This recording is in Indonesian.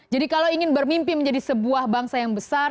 jadi kalau ingin bermimpi menjadi sebuah bangsa yang besar